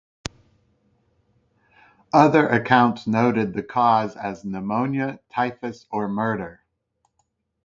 Other accounts noted the cause as pneumonia, typhus or murder.